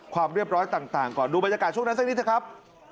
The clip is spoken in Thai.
ความเรียบร้อยต่างก่อนดูบรรยากาศช่วงนั้นสักนิดเถอะครับ